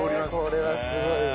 これはすごいわ。